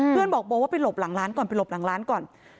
บอกโบว่าไปหลบหลังร้านก่อนไปหลบหลังร้านก่อน